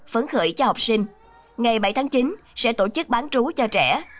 phấn khởi cho học sinh ngày bảy tháng chín sẽ tổ chức bán trú cho trẻ